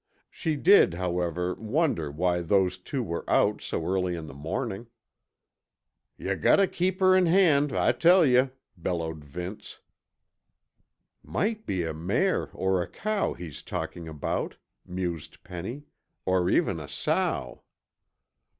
She did, however, wonder why those two were out so early in the morning. "Yuh gotta keep her in hand, I tell yuh," bellowed Vince. "Might be a mare or a cow he's talking about," mused Penny, "or even a sow."